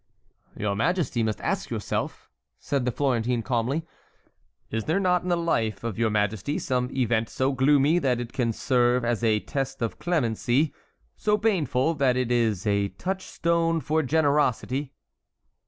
"Your majesty must ask yourself," said the Florentine calmly. "Is there not in the life of your majesty some event so gloomy that it can serve as a test of clemency, so painful that it is a touchstone for generosity?"